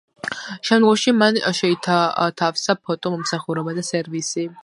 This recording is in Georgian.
შემდგომში მან შეითავსა ფოტო მომსახურება და სერვისი.